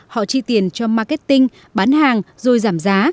họ chi tiền cho marketing bán hàng rồi giảm giá